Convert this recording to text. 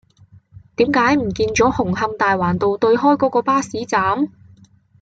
點解唔見左紅磡大環道對開嗰個巴士站